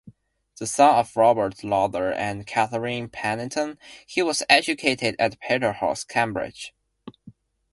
The son of Robert Lowther and Catherine Pennington, he was educated at Peterhouse, Cambridge.